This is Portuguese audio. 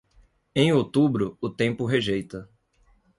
Em outubro, o tempo rejeita.